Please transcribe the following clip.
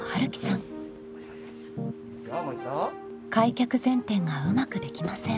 開脚前転がうまくできません。